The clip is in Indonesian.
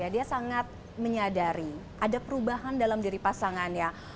dia sangat menyadari ada perubahan dalam diri pasangannya